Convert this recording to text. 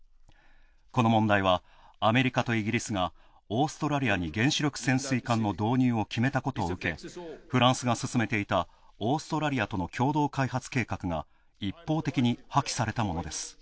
この問題はアメリカとイギリスがオーストラリアに原子力潜水艦の導入を決めたことを受けフランスが進めていたオーストラリアとの共同開発計画が一方的に破棄されたものです。